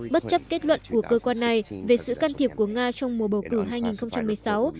bất chấp kết luận của cơ quan này về sự can thiệp của nga trong mùa bầu cử hai nghìn một mươi sáu